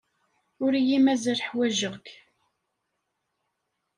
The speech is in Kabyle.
Ur iyi-mazal ḥwajeɣ-k.